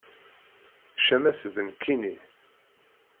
Ccama-s d nekkinni.